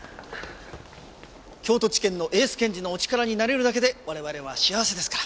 京都地検のエース検事のお力になれるだけで我々は幸せですから。